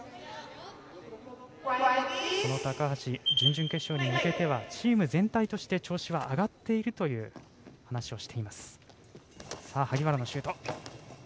高橋、準々決勝に向けてはチーム全体として調子は上がっているという話をしています。